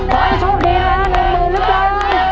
ขอให้โชคดีนะครับหนึ่งหมื่นหรือเปล่า